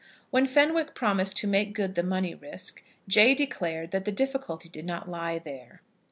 When Fenwick promised to make good the money risk, Jay declared that the difficulty did not lie there.